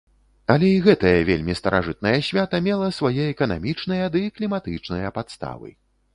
Але і гэтае вельмі старажытнае свята мела свае эканамічныя ды кліматычныя падставы.